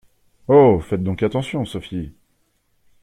Oh ! faites donc attention, Sophie !